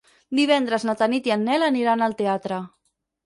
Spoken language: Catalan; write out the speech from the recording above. Divendres na Tanit i en Nel aniran al teatre.